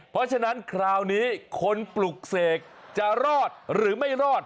เพราะฉะนั้นคราวนี้คนปลุกเสกจะรอดหรือไม่รอด